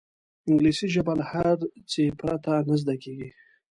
انګلیسي ژبه له هڅې پرته نه زده کېږي